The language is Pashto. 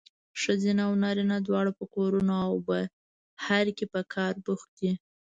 ښځینه او نارینه دواړه په کورونو او بهر کې په کار بوخت دي.